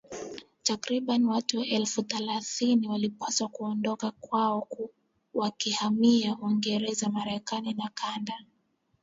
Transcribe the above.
Takriban watu elfu themanini walipaswa kuondoka kwao wakihamia Uingereza Marekani na Kanada